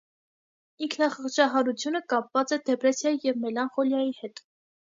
Ինքնախղճանհարությունը կապված է դեպրեսիայի և մելանխոլիայի հետ։